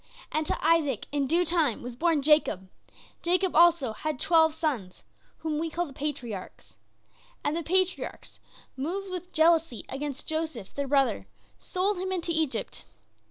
And to Isaac in due time was born Jacob; Jacob also had twelve sons, whom we call the patriarchs. And the patriarchs, moved with jealousy against Joseph their brother, sold him into Egypt.